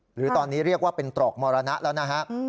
หรือตอนนี้เรียกว่าเป็นตรอกมรณะแล้วนะฮะ